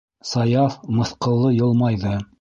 - Саяф мыҫҡыллы йылмайҙы.